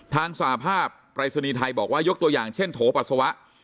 สหภาพปรายศนีย์ไทยบอกว่ายกตัวอย่างเช่นโถปัสสาวะ